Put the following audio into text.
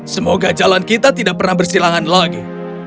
semoga jalan kita tidak pernah bersilangan lagi